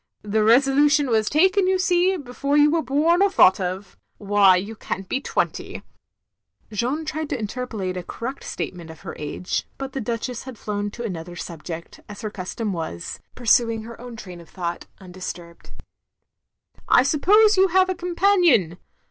The resolution was taken, you see, before you were bom or thought of. Why you can't be twenty." Jeanne tried to interpolate a correct statement of her age, but the Duchess had flown to another subject, as her custom was, pursu ing her own train of thought tmdisturbed. "I suppose you have a companion.